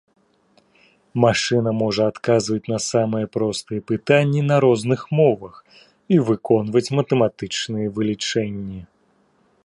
Машына можа адказваць на самыя простыя пытанні на розных мовах і выконваць матэматычныя вылічэнні.